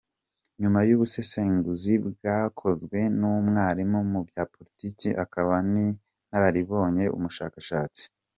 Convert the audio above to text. Nyuma y’ubusesenguzi bwakozwe n’umwarimu mu bya Politiki akaba n’inararibonye, umushakashatsi, Prof.